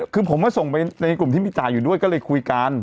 คือผมก็ส่งไปในกลุ่มที่มีจ่ายอยู่ด้วยก็เลยคุยกัน